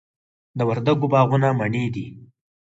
د وردګو باغونه مڼې دي